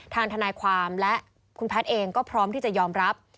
ทนายความและคุณแพทย์เองก็พร้อมที่จะยอมรับ